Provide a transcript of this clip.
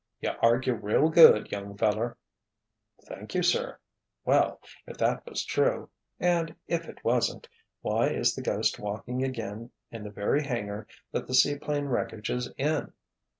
"You argue real good, young feller." "Thank you, sir. Well, if that was true—and if it wasn't—why is the ghost walking again in the very hangar that the seaplane wreckage is in?"